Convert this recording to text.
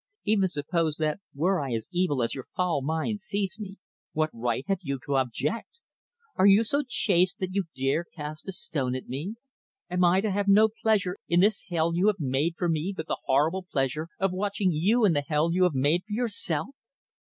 Even suppose that I were as evil as your foul mind sees me, what right have you to object? Are you so chaste that you dare cast a stone at me? Am I to have no pleasure in this hell you have made for me but the horrible pleasure of watching you in the hell you have made for yourself?